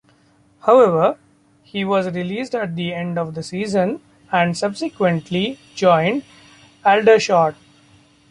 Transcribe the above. However, he was released at the end of the season and subsequently joined Aldershot.